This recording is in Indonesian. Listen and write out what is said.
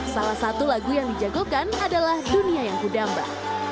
salah satu lagu yang dijagokan adalah dunia yang kudamba